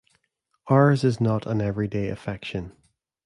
Ours is not an everyday affection.